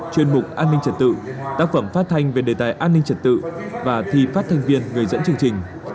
chuyên mục an ninh trật tự tác phẩm phát thanh về đề tài an ninh trật tự và thi phát thanh viên người dẫn chương trình